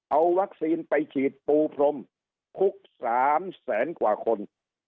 เอาวัคซีนไปฉีดปูพรมคุก๓แสนกว่าคน